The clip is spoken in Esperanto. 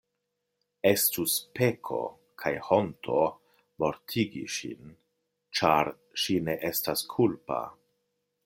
Estus peko kaj honto mortigi ŝin, ĉar ŝi ne estas kulpa.